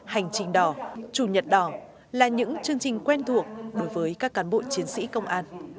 hành trình đỏ chủ nhật đỏ là những chương trình quen thuộc đối với các cán bộ chiến sĩ công an